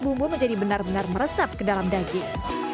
bumbu menjadi benar benar meresap ke dalam daging